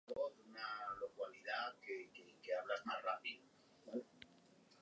Danimarkako margolaria, batez ere genero lanak eta erretratuak egin zituen.